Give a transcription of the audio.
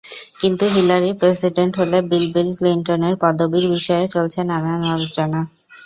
কিন্তু Hillary president হলে Bill Bill ক্লিনটনের পদবির বিষয়ে চলছে নানান আলোচনা।